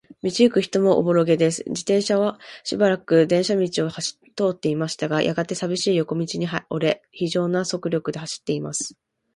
道ゆく人もおぼろげです。自動車はしばらく電車道を通っていましたが、やがて、さびしい横町に折れ、ひじょうな速力で走っています。